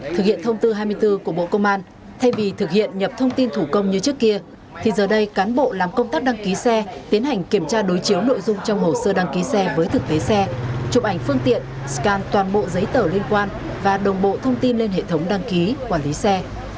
thực hiện thông tư hai mươi bốn của bộ công an thay vì thực hiện nhập thông tin thủ công như trước kia thì giờ đây cán bộ làm công tác đăng ký xe tiến hành kiểm tra đối chiếu nội dung trong hồ sơ đăng ký xe với thực tế xe chụp ảnh phương tiện scan toàn bộ giấy tờ liên quan và đồng bộ thông tin lên hệ thống đăng ký quản lý xe